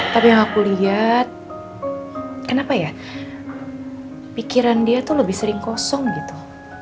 tapi yang aku lihat kenapa ya pikiran dia tuh lebih sering kosong gitu